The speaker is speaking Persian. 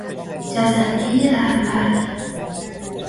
جذبهی رهبر